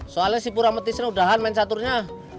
soalnya si pura matisnya udahan main caturnya